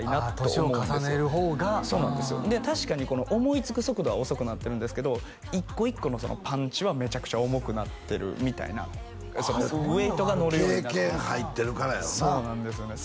年を重ねる方がああで確かに思いつく速度は遅くなってるんですけど一個一個のそのパンチはめちゃくちゃ重くなってるみたいなそのウエートがのるようになってる経験入ってるからやろうなそうなんですよね